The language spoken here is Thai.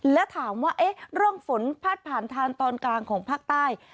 แล้วถามว่าเอ๊ะเรื่องฝนพัดผ่านทานตอนกลางของภาคใต้